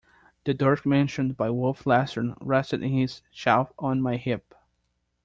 The dirk mentioned by Wolf Larsen rested in its sheath on my hip.